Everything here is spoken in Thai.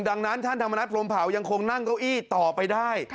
ดังนั้นท่านธรรมนัฐพรมเผายังคงนั่งเก้าอี้ต่อไปได้